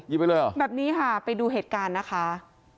ไปเลยเหรอแบบนี้ค่ะไปดูเหตุการณ์นะคะ